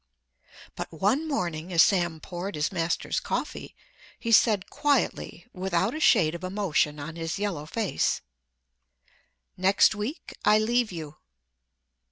But one morning as Sam poured his master's coffee, he said quietly, without a shade of emotion on his yellow face, "Next week I leave you."